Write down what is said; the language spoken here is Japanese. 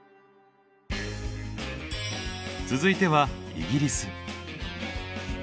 続いてはイギリス。